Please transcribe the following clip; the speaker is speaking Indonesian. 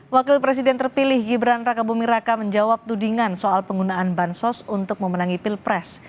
wakil presiden terpilih gibran raka bumi raka menjawab tudingan soal penggunaan bansos untuk memenangi pilpres